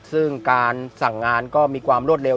ซึ่งการสั่งงานก็มีความรวดเร็ว